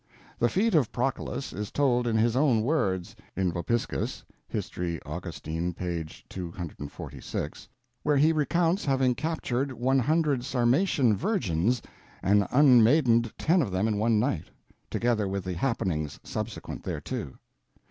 The feat of Proculus is told in his own words, in Vopiscus, (Hist. Augustine, p. 246) where he recounts having captured one hundred Sarmatian virgins, and unmaidened ten of them in one night, together with the happenings subsequent thereto.